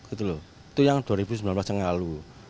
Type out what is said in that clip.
itu yang dua ribu sembilan belas yang lalu